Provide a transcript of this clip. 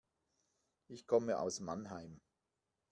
Ich komme aus Mannheim